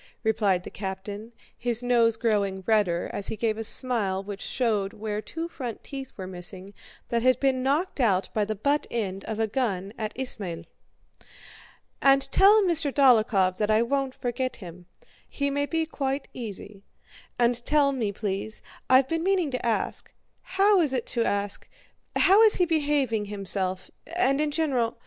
replied the captain, his nose growing redder as he gave a smile which showed where two front teeth were missing that had been knocked out by the butt end of a gun at Ismail. "And tell Mr. Dólokhov that I won't forget him—he may be quite easy. And tell me, please—I've been meaning to ask—how is he behaving himself, and in general..."